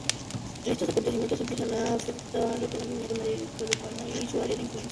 Estos acontecimientos empiezan a afectar la economía de Carúpano y su área de influencia.